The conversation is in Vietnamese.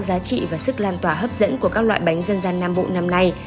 vị và sức lan tỏa hấp dẫn của các loại bánh dân gian nam bộ năm nay